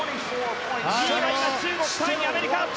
２位、中国３位、アメリカ。